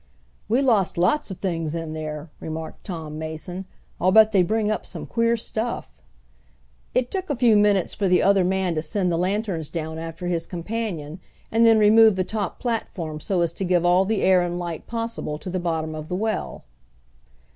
"We lost lots of things in there," remarked Tom Mason. "I bet they'll bring up some queer stuff." It took a few minutes for the other man to send the lanterns down after his companion and then remove the top platform so as to give all the air and light possible to the bottom of the well.